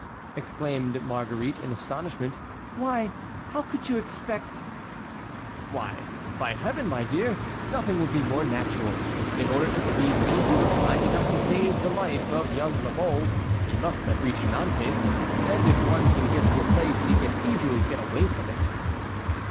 exclaimed Marguerite, in astonishment; "why, how could you expect"— "Why, by Heaven, my dear, nothing would be more natural. In order to please me, you were kind enough to save the life of young La Mole,—he must have reached Nantes,—and if one can get to a place he can easily get away from it."